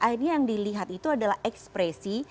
akhirnya yang dilihat itu adalah ekspresi